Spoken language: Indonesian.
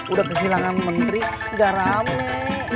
udah kehilangan menteri gak rame